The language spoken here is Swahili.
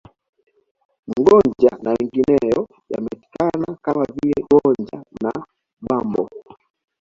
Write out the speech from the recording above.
Mgonja na mengineyo yametikana Kama vile Gonja na Bwambo